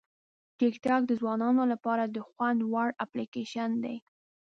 ټیکټاک د ځوانانو لپاره د خوند وړ اپلیکیشن دی.